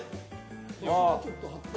腰がちょっと張って。